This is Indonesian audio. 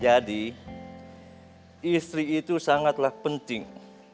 jadi istri itu sangatlah penting